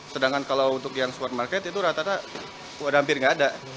sedangkan kalau untuk yang supermarket itu rata rata hampir nggak ada